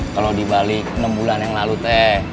kalau dibalik enam bulan yang lalu teh